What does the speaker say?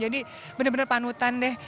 jadi bener bener panutan deh